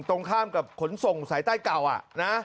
ตรงข้ามกับขนส่งสายใต้เก่านะ